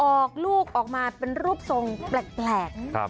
ออกลูกออกมาเป็นรูปทรงแปลก